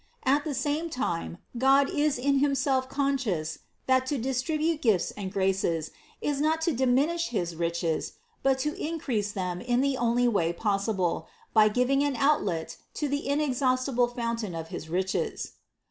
At the same time God is in Himself conscious that to distribute gifts and graces, is not to diminish his riches, but to increase them in the only possible way, by giving an outlet to the inexhaustible fountain of his riches.